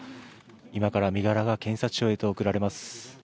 今から身柄が検察庁へと送られます。